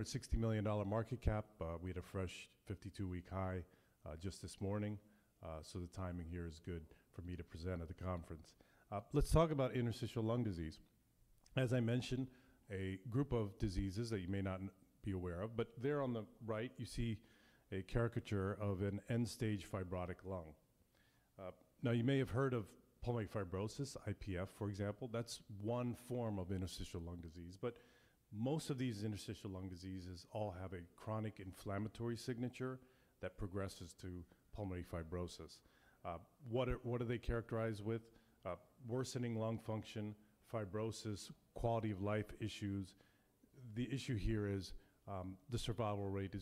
$160 million market cap. We had a fresh 52-week high just this morning, so the timing here is good for me to present at the conference. Let's talk about interstitial lung disease. As I mentioned, a group of diseases that you may not be aware of, but there on the right you see a caricature of an end-stage fibrotic lung. Now, you may have heard of pulmonary fibrosis, IPF, for example. That's one form of interstitial lung disease, but most of these interstitial lung diseases all have a chronic inflammatory signature that progresses to pulmonary fibrosis. What are they characterized with? Worsening lung function, fibrosis, quality of life issues. The issue here is the survival rate.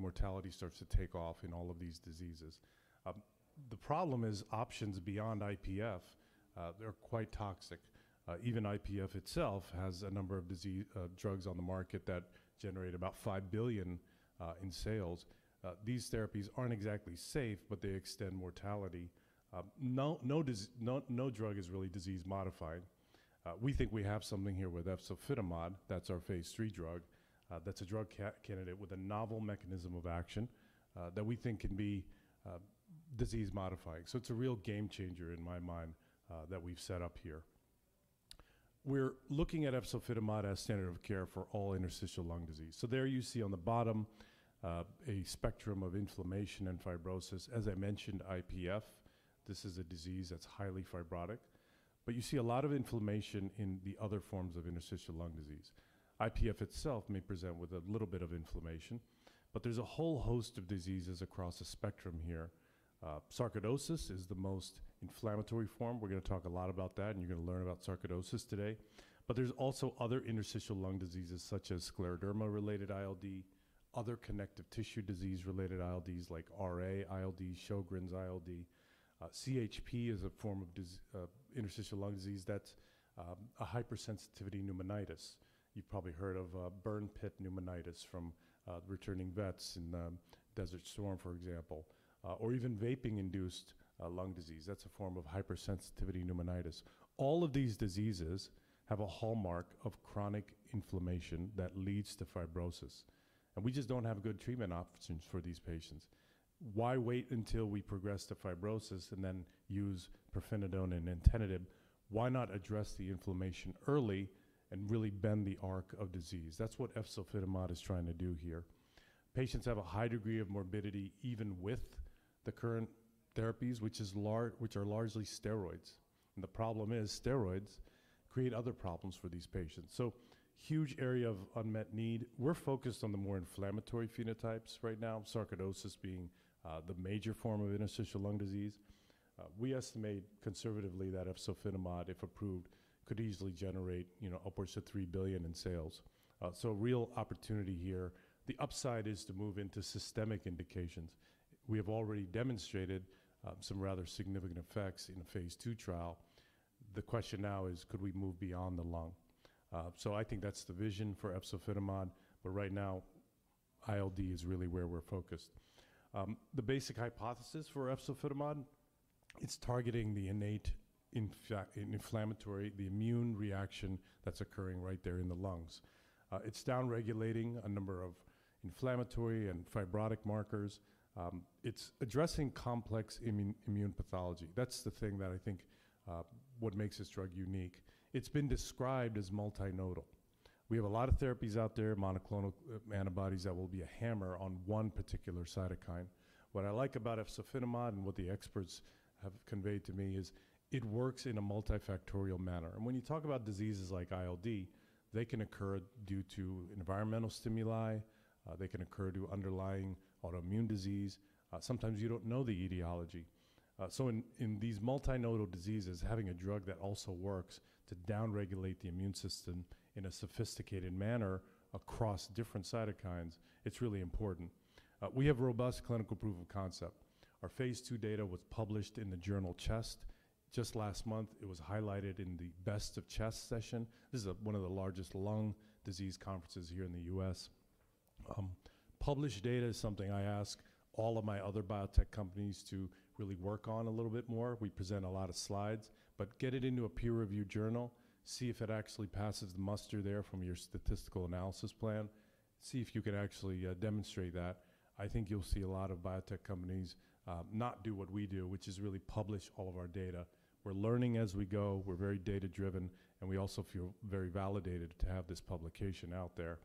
Mortality starts to take off in all of these diseases. The problem is options beyond IPF, they're quite toxic. Even IPF itself has a number of drugs on the market that generate about $5 billion in sales. These therapies aren't exactly safe, but they extend mortality. No drug is really disease-modifying. We think we have something here with efzofitimod. That's our phase III drug. That's a drug candidate with a novel mechanism of action that we think can be disease-modifying. So it's a real game changer in my mind that we've set up here. We're looking at efzofitimod as standard of care for all interstitial lung disease. So there you see on the bottom a spectrum of inflammation and fibrosis. As I mentioned, IPF, this is a disease that's highly fibrotic, but you see a lot of inflammation in the other forms of interstitial lung disease. IPF itself may present with a little bit of inflammation, but there's a whole host of diseases across a spectrum here. Sarcoidosis is the most inflammatory form. We're going to talk a lot about that, and you're going to learn about sarcoidosis today. But there's also other interstitial lung diseases such as scleroderma-related ILD, other connective tissue disease-related ILDs like RA ILD, Sjögren's ILD. CHP is a form of interstitial lung disease that's a hypersensitivity pneumonitis. You've probably heard of burn pit pneumonitis from returning vets in Desert Storm, for example, or even vaping-induced lung disease. That's a form of hypersensitivity pneumonitis. All of these diseases have a hallmark of chronic inflammation that leads to fibrosis, and we just don't have good treatment options for these patients. Why wait until we progress to fibrosis and then use pirfenidone and nintedanib? Why not address the inflammation early and really bend the arc of disease? That's what efzofitimod is trying to do here. Patients have a high degree of morbidity even with the current therapies, which are largely steroids, and the problem is steroids create other problems for these patients, so huge area of unmet need. We're focused on the more inflammatory phenotypes right now, sarcoidosis being the major form of interstitial lung disease. We estimate conservatively that efzofitimod, if approved, could easily generate upwards of $3 billion in sales, so real opportunity here. The upside is to move into systemic indications. We have already demonstrated some rather significant effects in a phase II trial. The question now is, could we move beyond the lung, so I think that's the vision for efzofitimod, but right now ILD is really where we're focused. The basic hypothesis for efzofitimod, it's targeting the innate inflammatory, the immune reaction that's occurring right there in the lungs. It's downregulating a number of inflammatory and fibrotic markers. It's addressing complex immune pathology. That's the thing that I think what makes this drug unique. It's been described as multinodal. We have a lot of therapies out there, monoclonal antibodies that will be a hammer on one particular cytokine. What I like about efzofitimod and what the experts have conveyed to me is it works in a multifactorial manner. And when you talk about diseases like ILD, they can occur due to environmental stimuli. They can occur due to underlying autoimmune disease. Sometimes you don't know the etiology. So in these multinodal diseases, having a drug that also works to downregulate the immune system in a sophisticated manner across different cytokines, it's really important. We have robust clinical proof of concept. Our phase II data was published in the journal CHEST just last month. It was highlighted in the Best of CHEST session. This is one of the largest lung disease conferences here in the U.S. Published data is something I ask all of my other biotech companies to really work on a little bit more. We present a lot of slides, but get it into a peer-reviewed journal, see if it actually passes the muster there from your statistical analysis plan, see if you can actually demonstrate that. I think you'll see a lot of biotech companies not do what we do, which is really publish all of our data. We're learning as we go. We're very data-driven, and we also feel very validated to have this publication out there.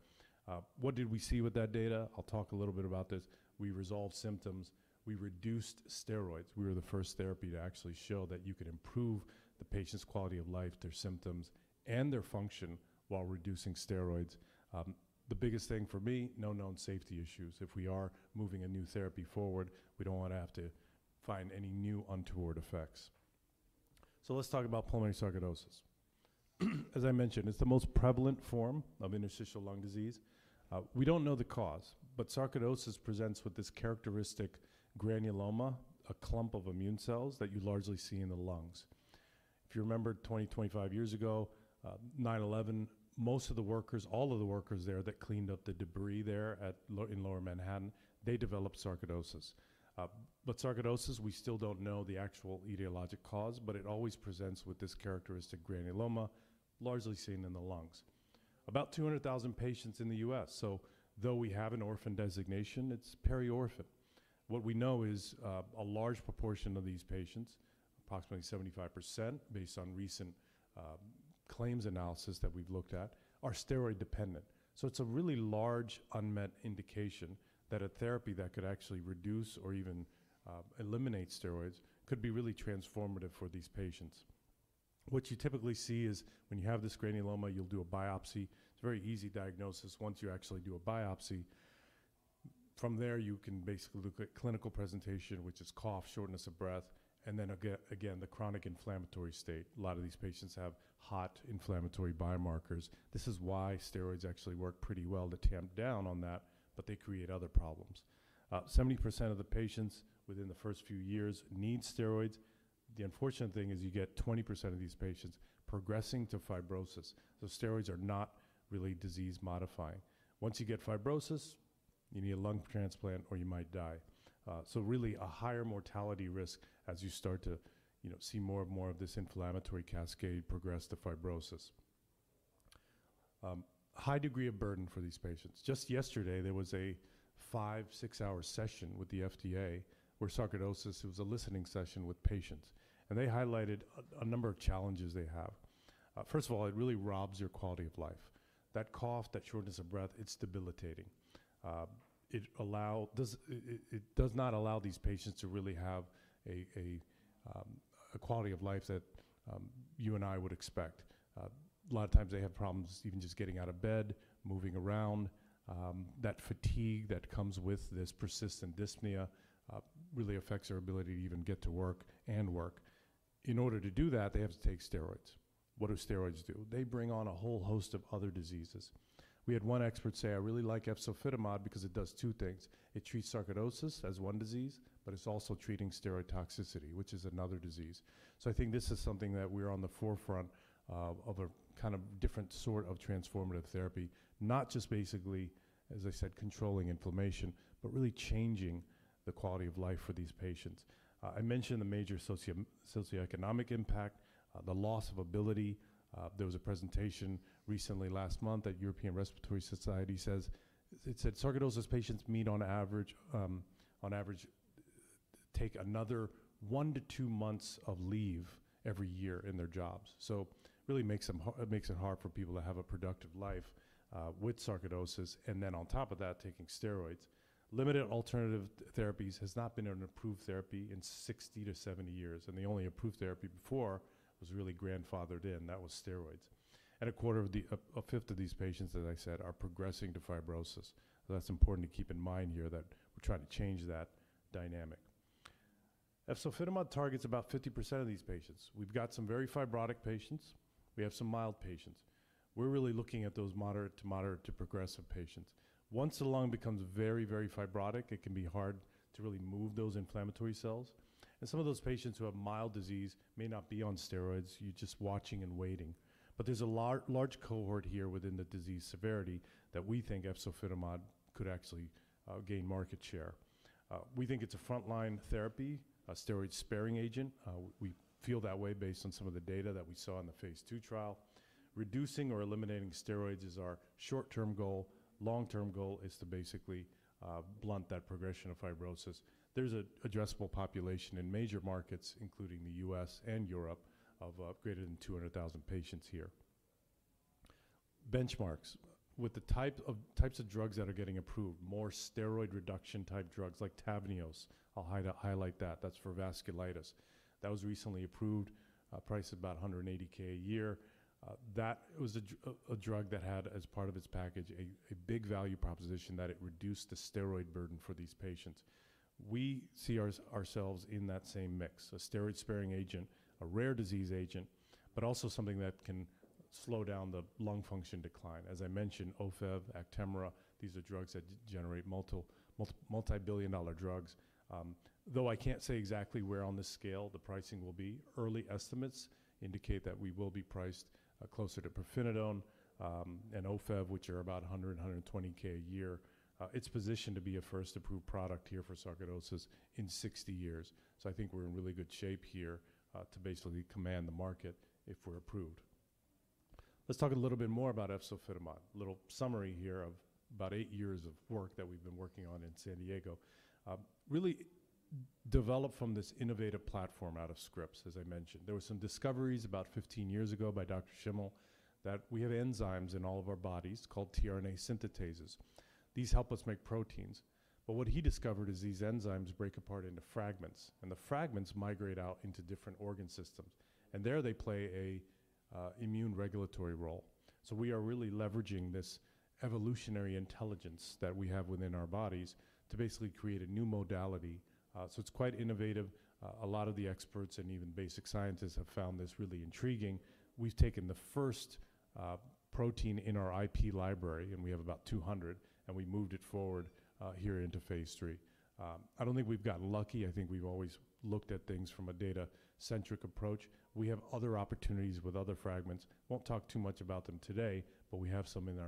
What did we see with that data? I'll talk a little bit about this. We resolved symptoms. We reduced steroids. We were the first therapy to actually show that you could improve the patient's quality of life, their symptoms, and their function while reducing steroids. The biggest thing for me, no known safety issues. If we are moving a new therapy forward, we don't want to have to find any new untoward effects. So let's talk about pulmonary sarcoidosis. As I mentioned, it's the most prevalent form of interstitial lung disease. We don't know the cause, but sarcoidosis presents with this characteristic granuloma, a clump of immune cells that you largely see in the lungs. If you remember 20, 25 years ago, 9/11, most of the workers, all of the workers there that cleaned up the debris there in lower Manhattan, they developed sarcoidosis. But sarcoidosis, we still don't know the actual etiologic cause, but it always presents with this characteristic granuloma, largely seen in the lungs. About 200,000 patients in the U.S. Though we have an orphan designation, it's peri-orphan. What we know is a large proportion of these patients, approximately 75%, based on recent claims analysis that we've looked at, are steroid dependent. It's a really large unmet indication that a therapy that could actually reduce or even eliminate steroids could be really transformative for these patients. What you typically see is when you have this granuloma, you'll do a biopsy. It's a very easy diagnosis once you actually do a biopsy. From there, you can basically look at clinical presentation, which is cough, shortness of breath, and then again, the chronic inflammatory state. A lot of these patients have hot inflammatory biomarkers. This is why steroids actually work pretty well to tamp down on that, but they create other problems. 70% of the patients within the first few years need steroids. The unfortunate thing is you get 20% of these patients progressing to fibrosis. So steroids are not really disease-modifying. Once you get fibrosis, you need a lung transplant or you might die. So really a higher mortality risk as you start to see more and more of this inflammatory cascade progress to fibrosis. High degree of burden for these patients. Just yesterday, there was a five, six-hour session with the FDA where sarcoidosis was a listening session with patients, and they highlighted a number of challenges they have. First of all, it really robs your quality of life. That cough, that shortness of breath, it's debilitating. It does not allow these patients to really have a quality of life that you and I would expect. A lot of times they have problems even just getting out of bed, moving around. That fatigue that comes with this persistent dyspnea really affects their ability to even get to work and work. In order to do that, they have to take steroids. What do steroids do? They bring on a whole host of other diseases. We had one expert say, "I really like efzofitimod because it does two things. It treats sarcoidosis as one disease, but it's also treating steroid toxicity, which is another disease." So I think this is something that we are on the forefront of a kind of different sort of transformative therapy, not just basically, as I said, controlling inflammation, but really changing the quality of life for these patients. I mentioned the major socioeconomic impact, the loss of ability. There was a presentation recently last month that European Respiratory Society says. It said sarcoidosis patients on average take another one to two months of leave every year in their jobs. So it really makes it hard for people to have a productive life with sarcoidosis. And then on top of that, taking steroids. Limited alternative therapies has not been an approved therapy in 60-70 years, and the only approved therapy before was really grandfathered in. That was steroids. And a quarter to a fifth of these patients, as I said, are progressing to fibrosis. That's important to keep in mind here that we're trying to change that dynamic. Efzofitimod targets about 50% of these patients. We've got some very fibrotic patients. We have some mild patients. We're really looking at those moderate to progressive patients. Once the lung becomes very, very fibrotic, it can be hard to really move those inflammatory cells, and some of those patients who have mild disease may not be on steroids. You're just watching and waiting, but there's a large cohort here within the disease severity that we think efzofitimod could actually gain market share. We think it's a frontline therapy, a steroid-sparing agent. We feel that way based on some of the data that we saw in the phase II trial. Reducing or eliminating steroids is our short-term goal. Long-term goal is to basically blunt that progression of fibrosis. There's an addressable population in major markets, including the U.S. and Europe, of greater than 200,000 patients here. Benchmarks with the types of drugs that are getting approved, more steroid reduction type drugs like Tavneos. I'll highlight that. That's for vasculitis. That was recently approved, priced at about $180,000 a year. That was a drug that had, as part of its package, a big value proposition that it reduced the steroid burden for these patients. We see ourselves in that same mix, a steroid-sparing agent, a rare disease agent, but also something that can slow down the lung function decline. As I mentioned, Ofev, Actemra, these are drugs that generate multi-billion-dollar drugs. Though I can't say exactly where on the scale the pricing will be, early estimates indicate that we will be priced closer to pirfenidone and Ofev, which are about $100,000-$120,000 a year. It's positioned to be a first approved product here for sarcoidosis in 60 years. So I think we're in really good shape here to basically command the market if we're approved. Let's talk a little bit more about efzofitimod. A little summary here of about eight years of work that we've been working on in San Diego. Really developed from this innovative platform out of Scripps, as I mentioned. There were some discoveries about 15 years ago by Dr. Schimmel that we have enzymes in all of our bodies called tRNA synthetases. These help us make proteins, but what he discovered is these enzymes break apart into fragments, and the fragments migrate out into different organ systems, and there they play an immune regulatory role, so we are really leveraging this evolutionary intelligence that we have within our bodies to basically create a new modality, so it's quite innovative. A lot of the experts and even basic scientists have found this really intriguing. We've taken the first protein in our IP library, and we have about 200, and we moved it forward here into phase III. I don't think we've gotten lucky. I think we've always looked at things from a data-centric approach. We have other opportunities with other fragments. Won't talk too much about them today, but we have some in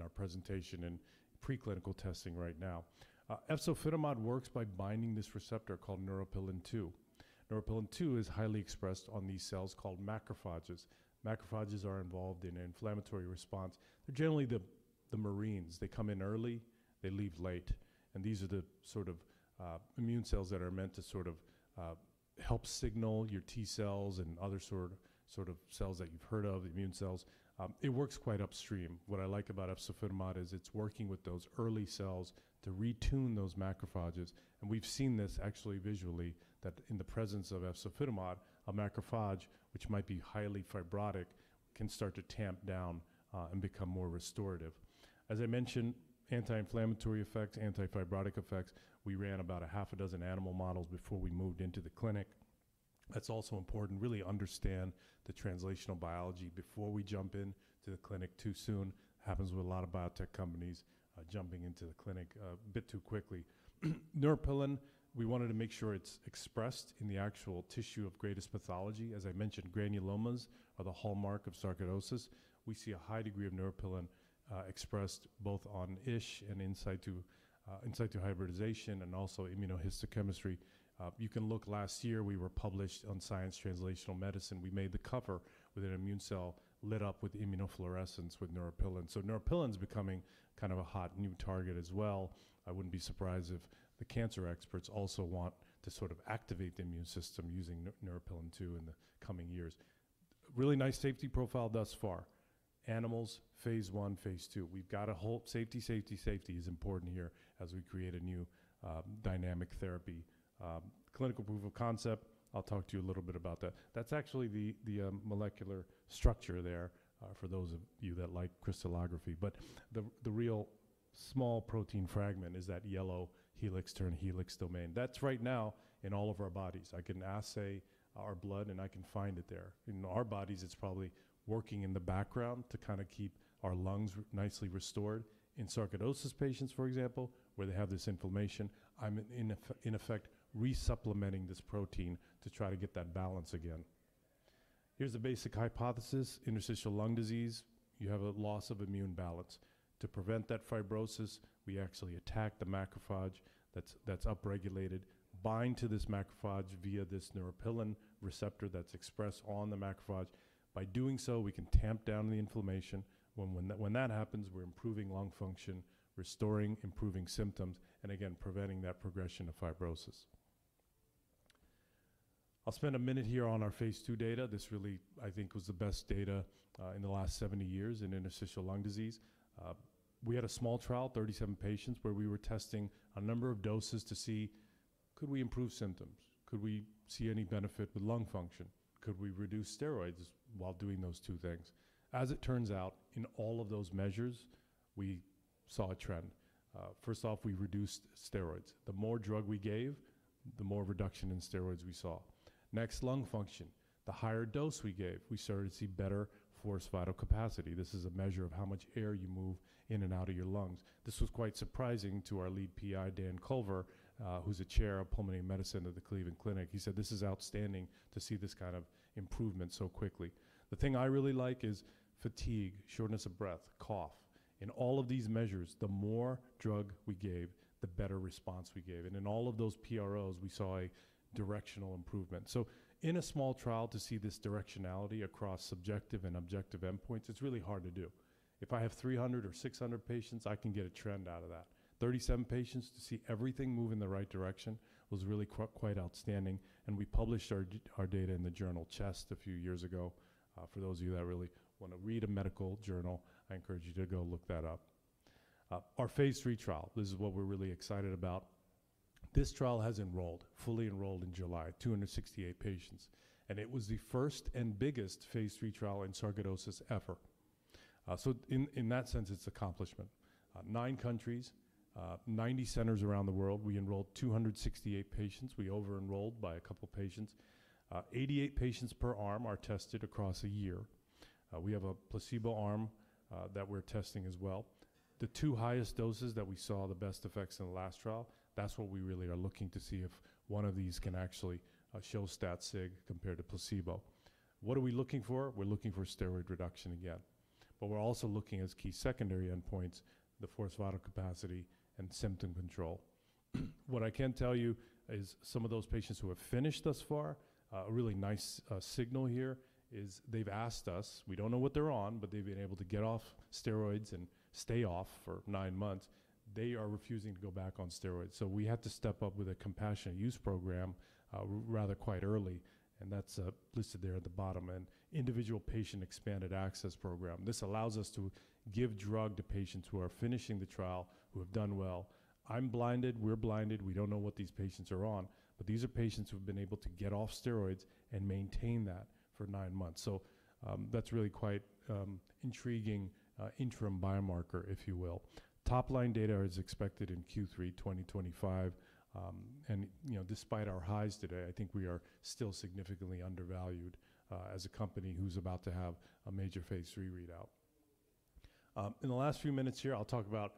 our presentation and preclinical testing right now. Efzofitimod works by binding this receptor called Neuropilin-2. Neuropilin-2 is highly expressed on these cells called macrophages. Macrophages are involved in an inflammatory response. They're generally the marines. They come in early. They leave late, and these are the sort of immune cells that are meant to sort of help signal your T cells and other sort of cells that you've heard of, immune cells. It works quite upstream. What I like about efzofitimod is it's working with those early cells to retune those macrophages. We've seen this actually visually that in the presence of efzofitimod, a macrophage, which might be highly fibrotic, can start to tamp down and become more restorative. As I mentioned, anti-inflammatory effects, anti-fibrotic effects. We ran about a half a dozen animal models before we moved into the clinic. That's also important. Really understand the translational biology before we jump into the clinic too soon. Happens with a lot of biotech companies jumping into the clinic a bit too quickly. Neuropilin, we wanted to make sure it's expressed in the actual tissue of greatest pathology. As I mentioned, granulomas are the hallmark of sarcoidosis. We see a high degree of Neuropilin expressed both on ISH and in situ hybridization and also immunohistochemistry. You can look last year, we were published on Science Translational Medicine. We made the cover with an immune cell lit up with immunofluorescence with Neuropilin. So Neuropilin-2 is becoming kind of a hot new target as well. I wouldn't be surprised if the cancer experts also want to sort of activate the immune system using Neuropilin-2 in the coming years. Really nice safety profile thus far. Animals, phase I, phase II. We've got to hope safety, safety, safety is important here as we create a new dynamic therapy. Clinical proof of concept, I'll talk to you a little bit about that. That's actually the molecular structure there for those of you that like crystallography. But the real small protein fragment is that yellow helix-turn-helix domain. That's right now in all of our bodies. I can assay our blood, and I can find it there. In our bodies, it's probably working in the background to kind of keep our lungs nicely restored. In sarcoidosis patients, for example, where they have this inflammation, I'm in effect resupplementing this protein to try to get that balance again. Here's a basic hypothesis. Interstitial lung disease, you have a loss of immune balance. To prevent that fibrosis, we actually attack the macrophage that's upregulated, bind to this macrophage via this Neuropilin receptor that's expressed on the macrophage. By doing so, we can tamp down the inflammation. When that happens, we're improving lung function, restoring, improving symptoms, and again, preventing that progression of fibrosis. I'll spend a minute here on our phase II data. This really, I think, was the best data in the last 70 years in interstitial lung disease. We had a small trial, 37 patients, where we were testing a number of doses to see could we improve symptoms? Could we see any benefit with lung function? Could we reduce steroids while doing those two things? As it turns out, in all of those measures, we saw a trend. First off, we reduced steroids. The more drug we gave, the more reduction in steroids we saw. Next, lung function. The higher dose we gave, we started to see better forced vital capacity. This is a measure of how much air you move in and out of your lungs. This was quite surprising to our lead PI, Dan Culver, who's a chair of pulmonary medicine at the Cleveland Clinic. He said, "This is outstanding to see this kind of improvement so quickly." The thing I really like is fatigue, shortness of breath, cough. In all of these measures, the more drug we gave, the better response we gave. And in all of those PROs, we saw a directional improvement. So in a small trial to see this directionality across subjective and objective endpoints, it's really hard to do. If I have 300 or 600 patients, I can get a trend out of that. 37 patients to see everything move in the right direction was really quite outstanding. And we published our data in the journal CHEST a few years ago. For those of you that really want to read a medical journal, I encourage you to go look that up. Our phase III trial, this is what we're really excited about. This trial has enrolled, fully enrolled in July, 268 patients. And it was the first and biggest phase III trial in sarcoidosis ever. So in that sense, it's accomplishment. Nine countries, 90 centers around the world, we enrolled 268 patients. We over-enrolled by a couple of patients. 88 patients per arm are tested across a year. We have a placebo arm that we're testing as well. The two highest doses that we saw the best effects in the last trial, that's what we really are looking to see if one of these can actually show stat-sig compared to placebo. What are we looking for? We're looking for steroid reduction again. But we're also looking at key secondary endpoints, the forced vital capacity and symptom control. What I can tell you is some of those patients who have finished thus far, a really nice signal here is they've asked us, we don't know what they're on, but they've been able to get off steroids and stay off for nine months. They are refusing to go back on steroids. So we had to step up with a compassionate use program rather quite early. And that's listed there at the bottom. And Individual Patient Expanded Access Program. This allows us to give drug to patients who are finishing the trial, who have done well. I'm blinded, we're blinded, we don't know what these patients are on. But these are patients who have been able to get off steroids and maintain that for nine months. So that's really quite intriguing interim biomarker, if you will. Top-line data is expected in Q3 2025. And despite our highs today, I think we are still significantly undervalued as a company who's about to have a major phase III readout. In the last few minutes here, I'll talk about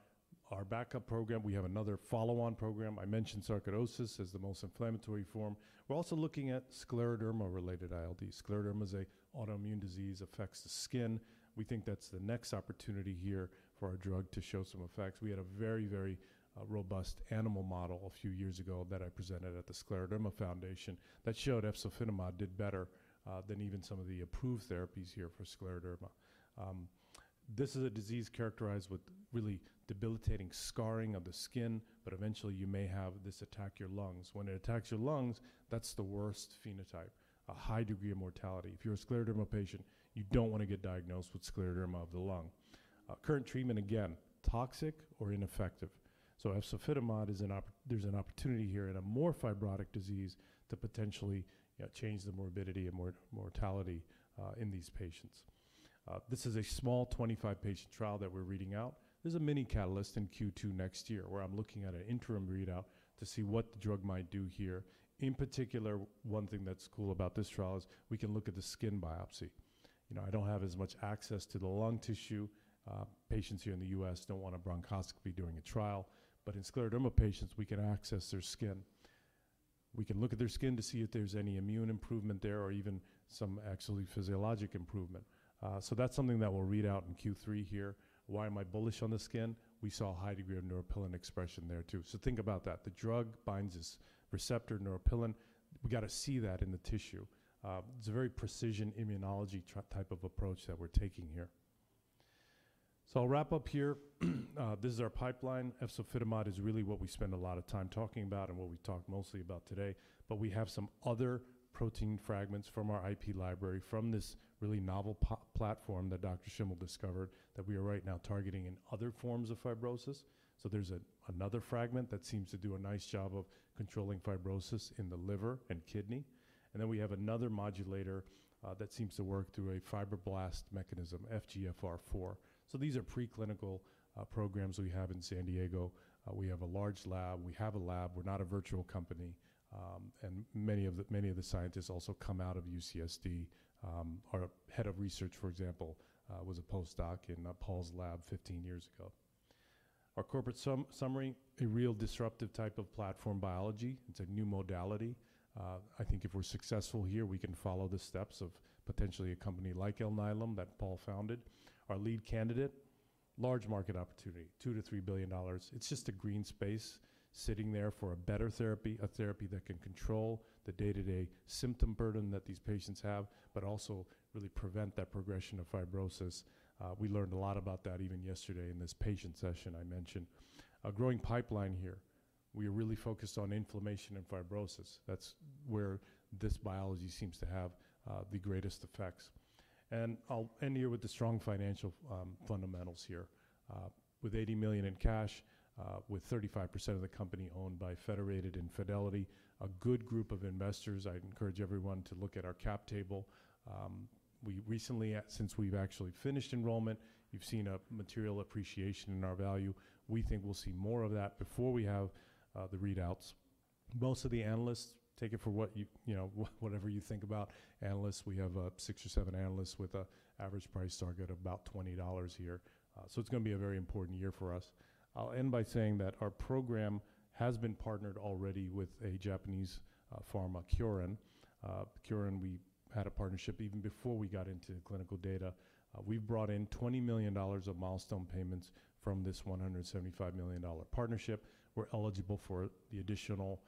our backup program. We have another follow-on program. I mentioned sarcoidosis as the most inflammatory form. We're also looking at scleroderma-related ILD. Scleroderma is an autoimmune disease, affects the skin. We think that's the next opportunity here for our drug to show some effects. We had a very, very robust animal model a few years ago that I presented at the Scleroderma Foundation that showed efzofitimod did better than even some of the approved therapies here for scleroderma. This is a disease characterized with really debilitating scarring of the skin, but eventually you may have this attack your lungs. When it attacks your lungs, that's the worst phenotype, a high degree of mortality. If you're a scleroderma patient, you don't want to get diagnosed with scleroderma of the lung. Current treatment, again, toxic or ineffective. So efzofitimod is an opportunity here in a more fibrotic disease to potentially change the morbidity and mortality in these patients. This is a small 25-patient trial that we're reading out. There's a mini catalyst in Q2 next year where I'm looking at an interim readout to see what the drug might do here. In particular, one thing that's cool about this trial is we can look at the skin biopsy. I don't have as much access to the lung tissue. Patients here in the U.S. don't want a bronchoscopy during a trial. But in scleroderma patients, we can access their skin. We can look at their skin to see if there's any immune improvement there or even some actually physiologic improvement. So that's something that we'll read out in Q3 here. Why am I bullish on the skin? We saw a high degree of Neuropilin expression there too. So think about that. The drug binds this receptor, Neuropilin. We got to see that in the tissue. It's a very precision immunology type of approach that we're taking here. So I'll wrap up here. This is our pipeline. Efzofitimod is really what we spend a lot of time talking about and what we talked mostly about today. But we have some other protein fragments from our IP library from this really novel platform that Dr. Schimmel discovered that we are right now targeting in other forms of fibrosis. So there's another fragment that seems to do a nice job of controlling fibrosis in the liver and kidney. And then we have another modulator that seems to work through a fibroblast mechanism, FGFR4. So these are preclinical programs we have in San Diego. We have a large lab. We have a lab. We're not a virtual company. And many of the scientists also come out of UCSD. Our head of research, for example, was a postdoc in Paul's lab 15 years ago. Our corporate summary, a real disruptive type of platform biology. It's a new modality. I think if we're successful here, we can follow the steps of potentially a company like Alnylam that Paul founded. Our lead candidate, large market opportunity, $2-$3 billion. It's just a green space sitting there for a better therapy, a therapy that can control the day-to-day symptom burden that these patients have, but also really prevent that progression of fibrosis. We learned a lot about that even yesterday in this patient session I mentioned. A growing pipeline here. We are really focused on inflammation and fibrosis. That's where this biology seems to have the greatest effects. And I'll end here with the strong financial fundamentals here. With $80 million in cash, with 35% of the company owned by Federated and Fidelity, a good group of investors. I encourage everyone to look at our cap table. Since we've actually finished enrollment, you've seen a material appreciation in our value. We think we'll see more of that before we have the readouts. Most of the analysts, take it for whatever you think about analysts. We have six or seven analysts with an average price target of about $20 here. So it's going to be a very important year for us. I'll end by saying that our program has been partnered already with a Japanese pharma, Kyowa Kirin. Kyowa Kirin, we had a partnership even before we got into clinical data. We've brought in $20 million of milestone payments from this $175 million partnership. We're eligible for the additional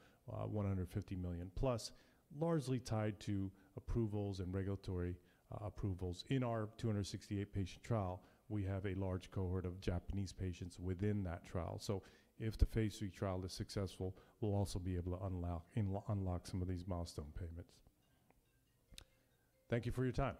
$150 million plus, largely tied to approvals and regulatory approvals. In our 268-patient trial, we have a large cohort of Japanese patients within that trial. If the phase III trial is successful, we'll also be able to unlock some of these milestone payments. Thank you for your time.